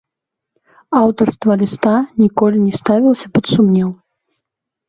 Аўтарства ліста ніколі не ставілася пад сумнеў.